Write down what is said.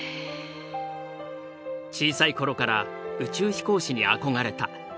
小さい頃から宇宙飛行士に憧れた。